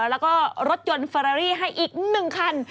แล้วก็รถยนต์เฟอร์รีให้อีกหนึ่งคัน